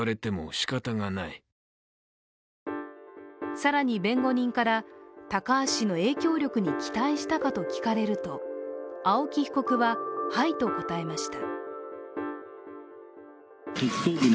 更に弁護人から、高橋氏の影響力に期待したかと聞かれると青木被告は、はいと答えました。